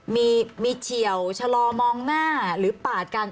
มีเฉียวชะลอมองหน้าหรือปาดกัน